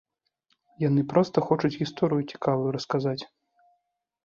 Яны проста хочуць гісторыю цікавую расказаць.